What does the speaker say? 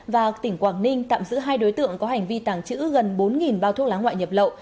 và tỉnh quảng ninh tạm giữ hai đối tượng có hành vi tàng trữ gần bốn bao thuốc lá ngoại nhập lậu